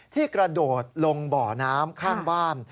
กระโดดลงบ่อน้ำข้างบ้าน